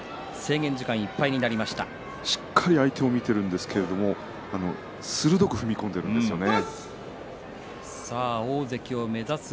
しっかり相手を見ているんですけれども鋭く踏み込んでいるんですよね。